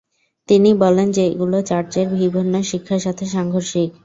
তিনি বলেন যে এগুলো চার্চের বিভিন্ন শিক্ষার সাথে সাংঘর্ষিক।